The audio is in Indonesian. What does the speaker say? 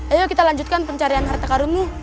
ayo kita lanjutkan pencarian harta karunmu